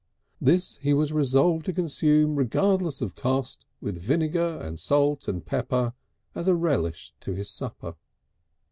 This he was resolved to consume regardless of cost with vinegar and salt and pepper as a relish to his supper.